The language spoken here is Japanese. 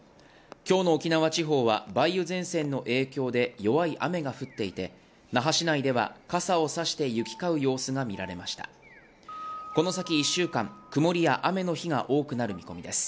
今日の沖縄地方は梅雨前線の影響で弱い雨が降っていて那覇市内では傘をさして行き交う様子が見られましたこの先１週間曇りや雨の日が多くなる見込みです